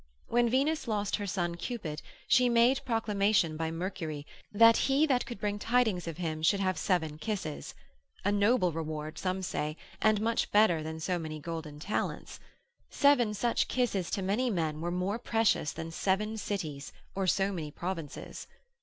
When Venus lost her son Cupid, she made proclamation by Mercury, that he that could bring tidings of him should have seven kisses; a noble reward some say, and much better than so many golden talents; seven such kisses to many men were more precious than seven cities, or so many provinces.